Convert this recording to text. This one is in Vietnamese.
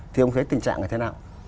thì ông thấy tình trạng là thế nào